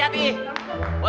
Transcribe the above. siapa empat mengetahuiframe